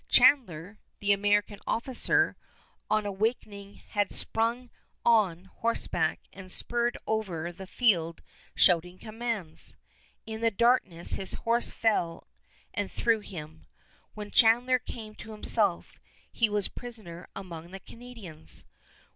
Chandler, the American officer, on awakening had sprung on horseback and spurred over the field shouting commands. In the darkness his horse fell and threw him. When Chandler came to himself he was prisoner among the Canadians.